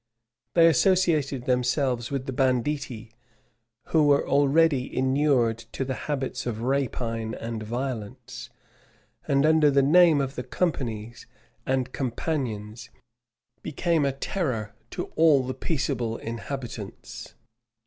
[] They associated themselves with the banditti, who were already inured to the habits of rapine and violence; and under the name of the "companies" and "companions," became a terror to all the peaceable inhabitants.